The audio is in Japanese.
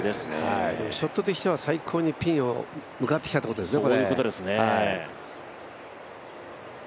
ショットとしては最高にピンをうがってきたところですね。